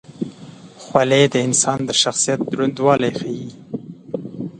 خولۍ د انسان د شخصیت دروندوالی ښيي.